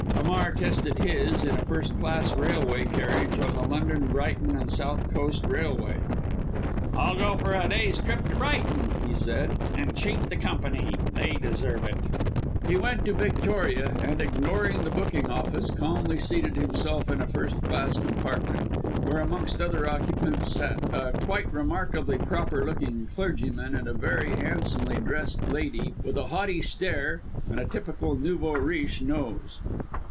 Hamar tested his, in a first class railway carriage, on the London, Brighton & South Coast Railway. "I'll go for a day's trip to Brighton," he said, "and cheat the Company. They deserve it." He went to Victoria, and ignoring the booking office, calmly seated himself in a first class compartment, where, amongst other occupants, sat a quite remarkably proper looking clergyman, and a very handsomely dressed lady, with a haughty stare, and a typical nouveau riche nose!